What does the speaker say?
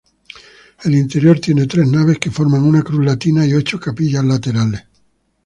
El interior tiene tres naves que forman una cruz latina, y ocho capillas laterales.